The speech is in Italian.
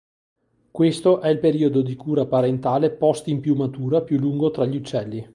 Questo è il periodo di cura parentale post-impiumatura più lungo tra gli uccelli.